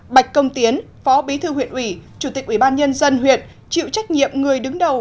bạch công tiến phó bí thư huyện ủy chủ tịch ubnd huyện chịu trách nhiệm người đứng đầu